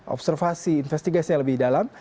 observasi investigasi yang lebih dalam